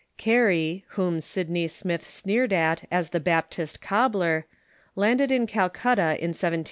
Carey, whom Sydney Smith sneered at as the Baptist cobbler, landed at Calcutta in ITOS.